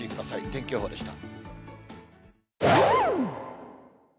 天気予報でした。